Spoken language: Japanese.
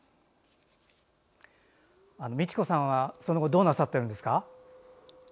美千子さんは、その後どうなさっているんですか？